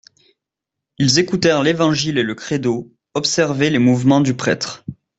Ils écoutèrent l'Évangile et le Credo, observaient les mouvements du prêtre.